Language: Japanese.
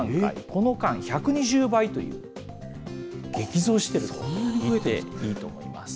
この間、１２０倍という、激増してるといっていいと思います。